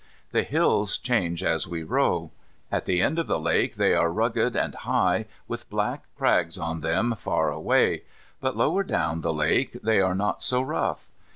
The hills change as we row. At the head of the lake they are rugged and high, with black crags on them far away, but lower down the lake they are not so rough.